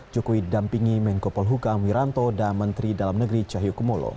jokowi didampingi menko polhukam wiranto dan menteri dalam negeri cahyokumolo